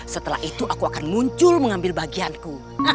setelah itu aku akan muncul mengambil bagianku